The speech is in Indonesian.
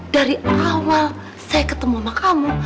dari awal saya ketemu sama kamu